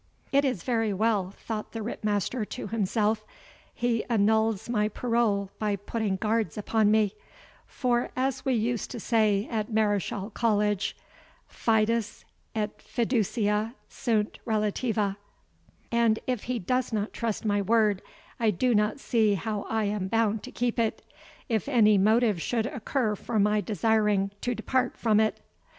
It is very well, thought the Ritt master to himself; he annuls my parole by putting guards upon me, for, as we used to say at Mareschal College, FIDES ET FIDUCIA SUNT RELATIVA [See Note I]; and if he does not trust my word, I do not see how I am bound to keep it, if any motive should occur for my desiring to depart from it.